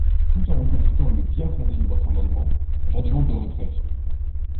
Tout en reconnaissant le bien-fondé de votre amendement, j’en demande le retrait.